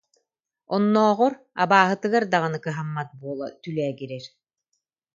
Оннооҕор, абааһытыгар даҕаны кыһаммат буола түлээгирэр